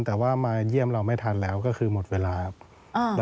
แต่ว่ามาเยี่ยมเราไม่ทันแล้วก็คือหมดเวลาครับ